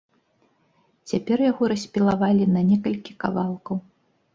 Цяпер яго распілавалі на некалькі кавалкаў.